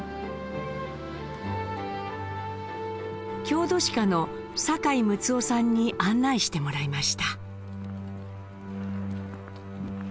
郷土史家の酒井睦夫さんに案内してもらいました。